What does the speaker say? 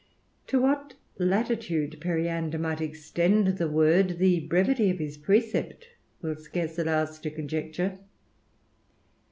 To what latitude Periander might extend the word, the brevity of his precept will scarce allow us to conjecture.